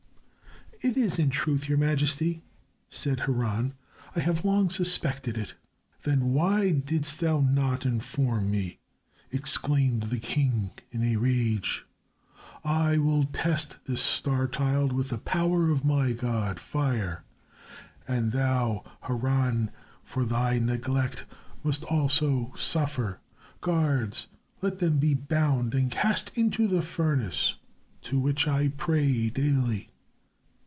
"It is in truth, your majesty," said Haran. "I have long suspected it." "Then why didst thou not inform me?" exclaimed the king in a rage. "I will test this star child with the power of my god, fire. And thou, Haran, for thy neglect, must also suffer. Guards, let them be bound and cast into the furnace to which I pray daily.